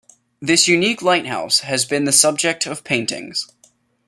This unique lighthouse has been the subject of paintings.